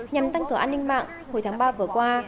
nhằm tăng cửa an ninh mạng hồi tháng ba vừa qua